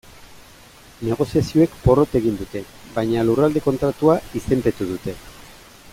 Negoziazioek porrot egin dute, baina Lurralde Kontratua izenpetu dute.